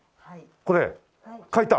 これ書いた？